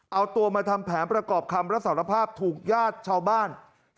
เอาตัวมาทำแผนประกอบคำรับสารภาพถูกญาติชาวบ้าน